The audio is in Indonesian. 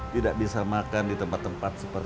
tidak bisa makan di tempat tempat